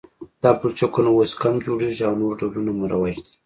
دا پلچکونه اوس کم جوړیږي او نور ډولونه مروج دي